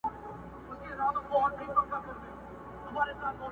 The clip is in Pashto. د لړم په څېر يې وار لکه مرگى وو!!